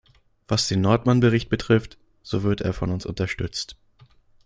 Was den Nordmann-Bericht betrifft, so wird er von uns unterstützt.